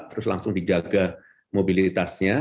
terus langsung dijaga mobilitasnya